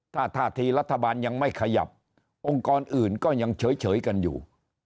ถ้าท่าทีรัฐบาลยังไม่ขยับองค์กรอื่นก็ยังเฉยกันอยู่